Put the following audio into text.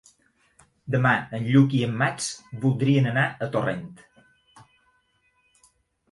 Demà en Lluc i en Max voldrien anar a Torrent.